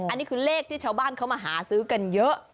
อันนี้คือเลขที่ชาวบ้านเขามาหาซื้อกันเยอะ